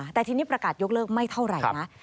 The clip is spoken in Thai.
แต่ทีนี้ประกาศยกเลิกไม่เท่าไหร่นะ